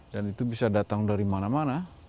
dan itu bisa datang dari mana mana